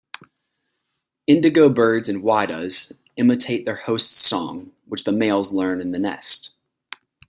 Indigobirds and whydahs imitate their host's song, which the males learn in the nest.